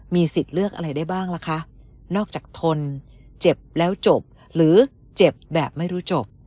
มีสิทธิ์เลือกอะไรได้บ้างล่ะคะนอกจากทนเจ็บแล้วจบหรือเจ็บแบบไม่รู้จบ